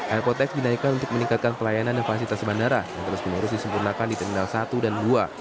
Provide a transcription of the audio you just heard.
airport tax dinaikkan untuk meningkatkan pelayanan dan fasilitas bandara yang terus menerus disempurnakan di terminal satu dan dua